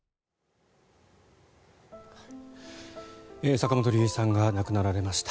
坂本龍一さんが亡くなられました。